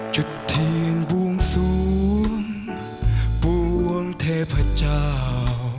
จุดเทียนบวงสวงปวงเทพเจ้า